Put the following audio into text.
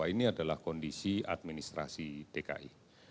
ini adalah kondisi administrasi dki